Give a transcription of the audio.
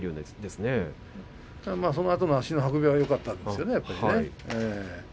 ただ、そのあとの足の運びがよかったですよね。